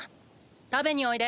食べにおいで。